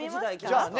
じゃあね。